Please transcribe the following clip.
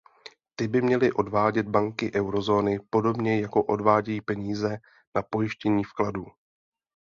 Ty by měly odvádět banky eurozóny podobně jako odvádějí peníze na pojištění vkladů.